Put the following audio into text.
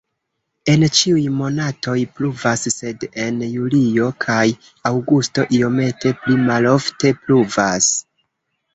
En ĉiuj monatoj pluvas, sed en julio kaj aŭgusto iomete pli malofte pluvas.